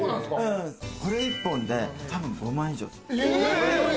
これ１本で多分５万以上する。